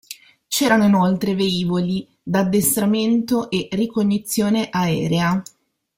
C'erano inoltre velivoli da addestramento e ricognizione aerea.